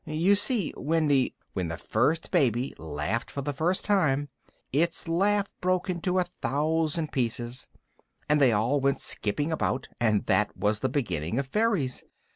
You see, Wendy, when the first baby laughed for the first time, its laugh broke into a thousand pieces, and they all went skipping about, and that was the beginning of fairies.